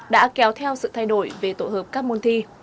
đã kéo theo sự thay đổi về tổ hợp các môn thi